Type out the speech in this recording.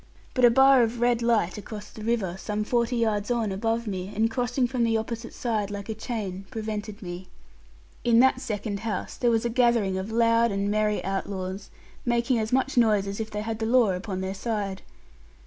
But a bar of red light across the river, some forty yards on above me, and crossing from the opposite side like a chain, prevented me. In that second house there was a gathering of loud and merry outlaws, making as much noise as if they had the law upon their side.